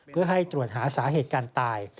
เพื่อให้ตรวจหาสาเหตุการตาย